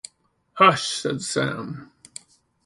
‘Hush!’ said Sam.